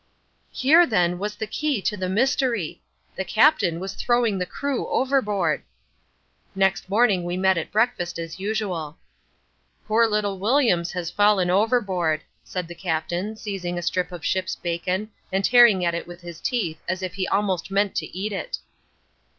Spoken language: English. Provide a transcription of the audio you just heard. Here then was the key to the mystery! The Captain was throwing the crew overboard. Next morning we met at breakfast as usual. "Poor little Williams has fallen overboard," said the Captain, seizing a strip of ship's bacon and tearing at it with his teeth as if he almost meant to eat it.